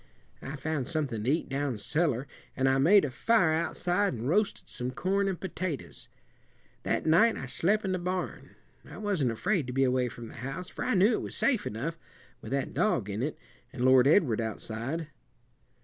I found something to eat down cellar, and I made a fire outside an' roasted some corn and potatoes. That night I slep' in the barn. I wasn't afraid to be away from the house for I knew it was safe enough, with that dog in it, and Lord Edward outside.